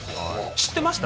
知ってました？